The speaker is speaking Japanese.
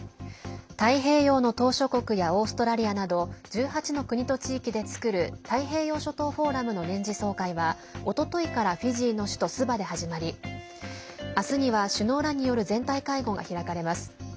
太平洋の島しょ国やオーストラリアなど１８の国と地域で作る太平洋諸島フォーラムの年次総会はおとといからフィジーの首都スバで始まりあすには首脳らによる全体会合が開かれます。